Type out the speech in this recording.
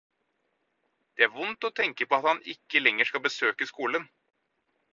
Det er vondt å tenke på at han ikke lenger skal besøke skolen.